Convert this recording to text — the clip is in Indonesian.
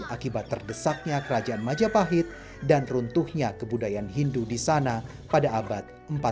akibat terdesaknya kerajaan majapahit dan runtuhnya kebudayaan hindu di sana pada abad empat puluh